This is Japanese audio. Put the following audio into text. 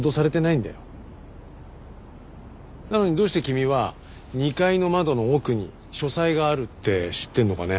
なのにどうして君は２階の窓の奥に書斎があるって知ってるのかね？